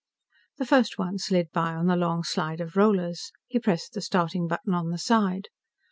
The first one slid by on the long slide of rollers. He pressed the starting button on the side.